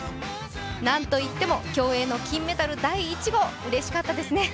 なんと言っても競泳の金メダル第１号、うれしかったですね。